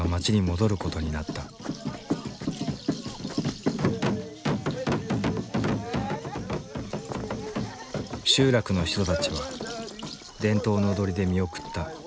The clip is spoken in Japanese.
集落の人たちは伝統の踊りで見送った。